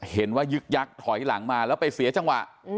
ยึกยักษ์ถอยหลังมาแล้วไปเสียจังหวะ